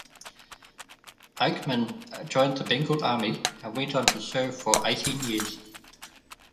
Aikman joined the Bengal Army, and went on to serve for eighteen years.